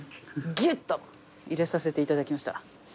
ぎゅっと入れさせていただきました。